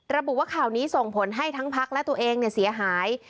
ระบุว่าข่าวนี้ส่งผลให้ทั้งพักและตัวเองเสียหาย